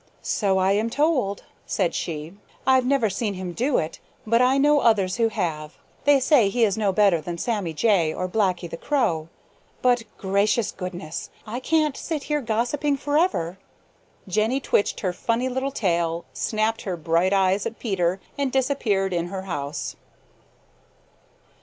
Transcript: "So I an told," said she. "I've never seen him do it, but I know others who have. They say he is no better than Sammy Jay or Blacky the Crow. But gracious, goodness! I can't sit here gossiping forever." Jenny twitched her funny little tail, snapped her bright eyes at Peter, and disappeared in her house.